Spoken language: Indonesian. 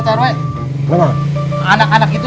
lo tau yang dia cumbeng kamu